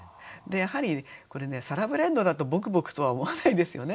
やはりこれねサラブレッドだと「ぼくぼく」とは思わないですよね。